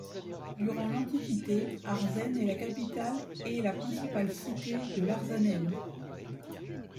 Durant l'Antiquité, Arzen est la capitale et la principale cité de l'Arzanène.